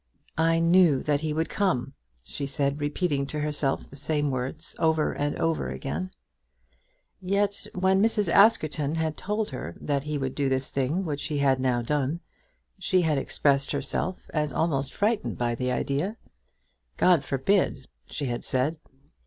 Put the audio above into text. "I knew that he would come," she said, repeating to herself the same words, over and over again. Yet when Mrs. Askerton had told her that he would do this thing which he had now done, she had expressed herself as almost frightened by the idea. "God forbid," she had said.